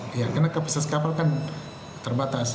karena kapasitas kapal kan terbatas